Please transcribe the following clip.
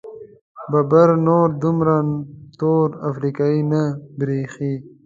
بربر نور دومره تور افریقايي نه برېښي.